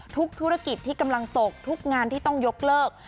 ธุรกิจที่กำลังตกทุกงานที่ต้องยกเลิก